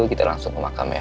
kita langsung ke makam ya